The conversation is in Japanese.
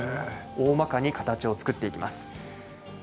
おおまかに形を作っていきます。